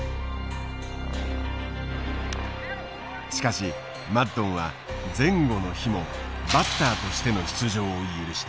しかしマッドンは前後の日もバッターとしての出場を許した。